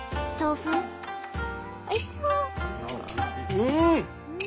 うん！